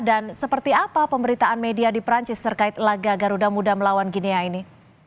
dan seperti apa pemberitaan media di prancis terkait laga garuda muda melawan gini ya ini